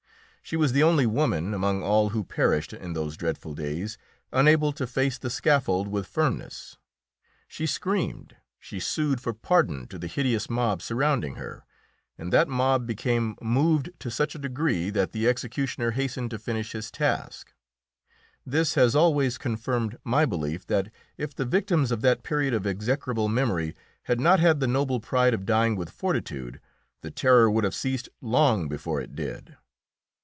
She was the only woman, among all who perished in those dreadful days, unable to face the scaffold with firmness; she screamed, she sued for pardon to the hideous mob surrounding her, and that mob became moved to such a degree that the executioner hastened to finish his task. This has always confirmed my belief that if the victims of that period of execrable memory had not had the noble pride of dying with fortitude the Terror would have ceased long before it did.